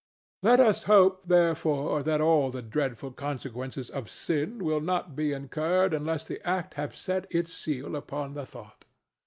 Let us hope, therefore, that all the dreadful consequences of sin will not be incurred unless the act have set its seal upon the thought.